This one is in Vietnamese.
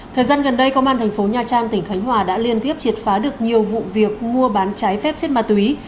thời gian gần đây công an thành phố nha trang tỉnh khánh hòa đã liên tiếp triệt phá được nhiều vụ việc mua bán trái phép chất ma túy